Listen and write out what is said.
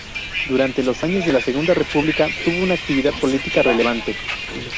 Durante los años de la Segunda República tuvo una actividad política relevante.